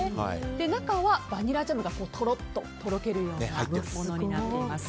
中はバニラジャムがとろっととろけるようなものになってます。